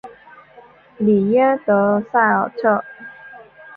里耶德塞尔特。